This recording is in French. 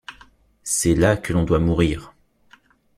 C’est là que l’on doit mourir!..